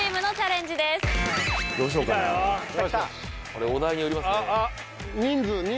これお題によりますね。